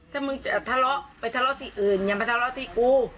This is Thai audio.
ถ้ามึงจะทะเลาะไปทะเลาะที่อื่นอย่ามาทะเลาะที่กู